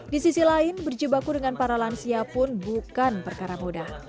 di sisi lain berjebaku dengan para lansia pun bukan perkara mudah